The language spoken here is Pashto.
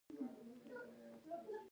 له بولدکه تر کجکي پورې مې بل پاټک ونه ليد.